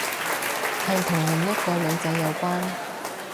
係同另一個女仔有關